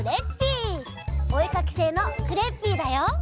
おえかきせいのクレッピーだよ！